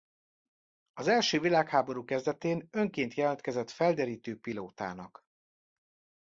Az első világháború kezdetén önként jelentkezett felderítő pilótának.